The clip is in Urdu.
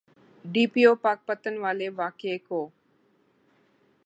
ڈی پی او پاکپتن والے واقعے کو۔